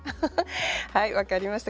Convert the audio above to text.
はい分かりました。